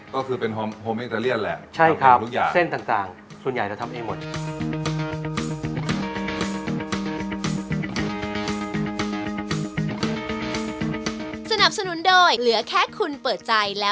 ก็คือเป็นโฮมเองทะเลียนแหละ